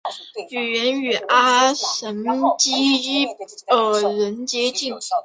语言与巴什基尔人接近。